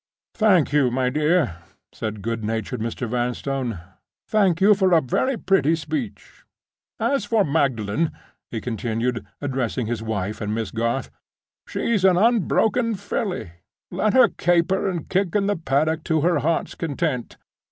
"Thank you, my dear," said good natured Mr. Vanstone. "Thank you for a very pretty speech. As for Magdalen," he continued, addressing his wife and Miss Garth, "she's an unbroken filly. Let her caper and kick in the paddock to her heart's content.